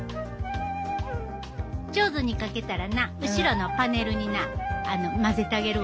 上手に描けたらな後ろのパネルになまぜたげるわ。